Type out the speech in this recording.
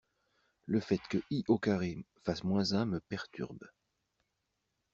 Le fait que i au carré fasse moins un me perturbe.